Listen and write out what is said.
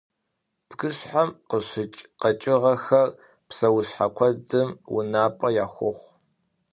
Бгыщхьэм къыщыкӏ къэкӏыгъэхэр псэущхьэ куэдым унапӏэ яхохъу.